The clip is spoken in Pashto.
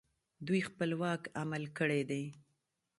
دوی خپلواک عمل کړی دی